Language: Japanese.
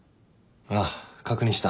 ああ確認した。